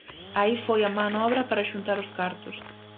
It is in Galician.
Aí foi a manobra para xuntar os cartos.